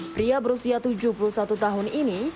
pria berusia tujuh puluh satu tahun ini